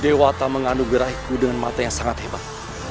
dewa tak menganugerahiku dengan mata yang sangat hebat